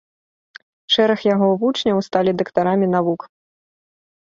Шэраг яго вучняў сталі дактарамі навук.